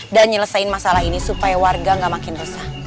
dan nyelesain masalah ini supaya warga gak makin resah